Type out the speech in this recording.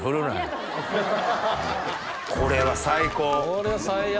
これは最高。